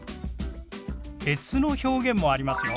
別の表現もありますよ。